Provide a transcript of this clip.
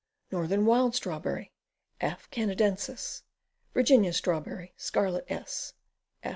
Northern Wild Strawberry. F. Canadensis. Virginia Strawberry. Scarlet S. F.